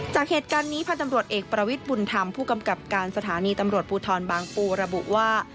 จากเหตุการณ์นี้พันธ์ตำรวจเอกประวิทย์บุญธรรมผู้กำกับการสถานีตำรวจภูทรบางปูระบุว่า